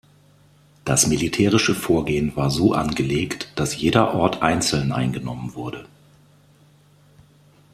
Das militärische Vorgehen war so angelegt, dass jeder Ort einzeln eingenommen wurde.